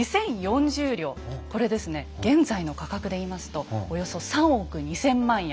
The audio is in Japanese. これですね現在の価格で言いますとおよそ３億２，０００万円。